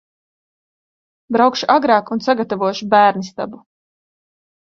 Braukšu agrāk un sagatavošu bērnistabu.